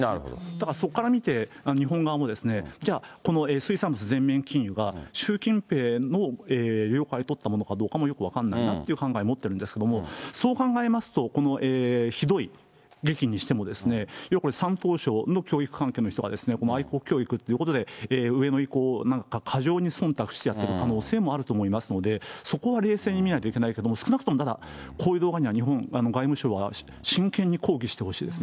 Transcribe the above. だからそこから見て、日本側も、じゃあ、この水産物全面禁輸が習近平の了解を取ったものかどうかもよく分かんないなという考え持ってるんですけれども、そう考えますと、このひどい劇にしても、これ山東省の教育関係の人が、愛国教育ということで、上の意向を過剰にそんたくしてやってる可能性はあると思いますので、そこは冷静に見ないといけないですけれども、少なくともこういう動画には、外務省は真剣に抗議してほしいです